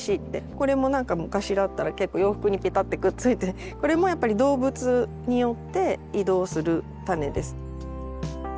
これもなんか昔だったら結構洋服にペタってくっついてこれもやっぱり動物によって移動する種です。